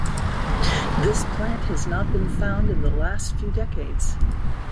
This plant has not been found in the last few decades.